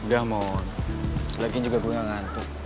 udah mon lagian juga gue gak ngantuk